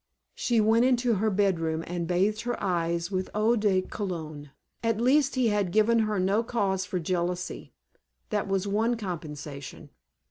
She went into her bedroom and bathed her eyes with eau de cologne. At least he had given her no cause for jealousy. That was one compensation.